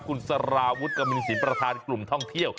คุณสารวุฒิกมินสินประธานกลุ่มท่องเที่ยว